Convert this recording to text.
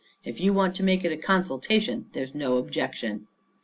If you want to make it a consultation, there's no objection."